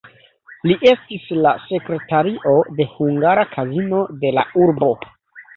Li estis la sekretario de hungara kazino de la urbo.